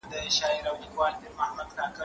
زه اوس د تکړښت لپاره ځم؟